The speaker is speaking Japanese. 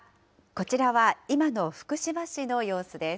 こちらは、今の福島市の様子です。